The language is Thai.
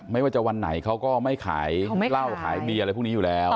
ไม่ว่าจะวันไหนเขาก็ไม่ขายเหล้าขายเบียร์อะไรพวกนี้อยู่แล้ว